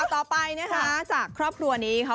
ต่อไปนะคะจากครอบครัวนี้ค่ะ